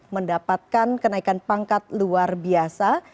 mendapatkan kenaikan pangkat luar biasa